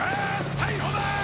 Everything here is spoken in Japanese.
逮捕だー！